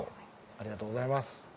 ありがとうございます。